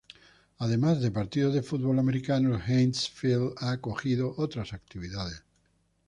Además de partidos de fútbol americano, el Heinz Field ha acogido otras actividades.